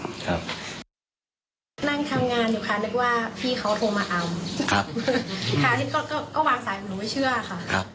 นั่งทำงานอยู่ค่ะนึกว่าพี่เขาโทรมาอำครับครับอันนี้ก็ก็วางสายผมไม่เชื่อค่ะครับ